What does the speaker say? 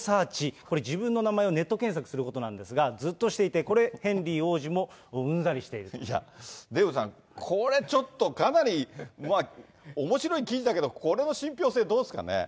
これ自分の名前をネット検索することなんですが、ずっとしていて、これ、ヘンリー王子もうんざりしデーブさん、これちょっと、かなりおもしろい記事だけど、これは信ぴょう性、どうですかね。